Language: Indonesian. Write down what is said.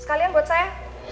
sekalian buat saya